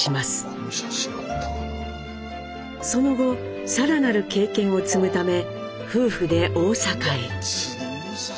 その後更なる経験を積むため夫婦で大阪へ。